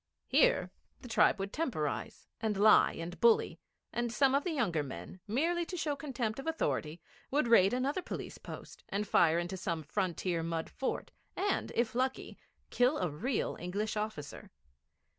Here the tribe would temporise, and lie and bully, and some of the younger men, merely to show contempt of authority, would raid another police post and fire into some frontier mud fort, and, if lucky, kill a real English officer.